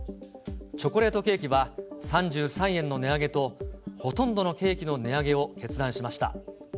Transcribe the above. チョコレートケーキは３３円の値上げと、ほとんどのケーキの値上げを決断しました。